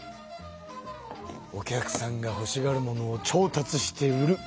お客さんがほしがるものを調達して売る。